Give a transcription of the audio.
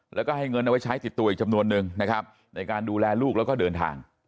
แล้วก็ให้เงินเอาไว้ใช้ติดตัวอีกจำนวนนึงนะครับในการดูแลลูกแล้วก็เดินทาง